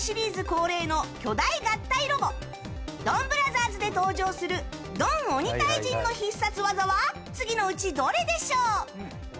恒例の巨大合体ロボ「ドンブラザーズ」で登場するドンオニタイジンの必殺技は次のうちどれでしょう。